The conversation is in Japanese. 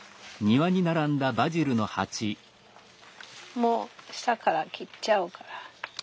もう下から切っちゃうから。